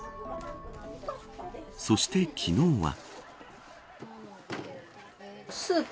そして昨日は。